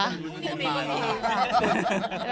พรุ่งนี้มีค่ะ